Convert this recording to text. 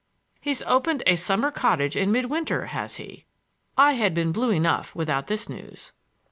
"He's opened a summer cottage in mid winter, has he?" I had been blue enough without this news.